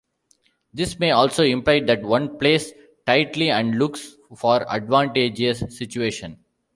This may also imply that one plays tightly- and looks for advantageous situations.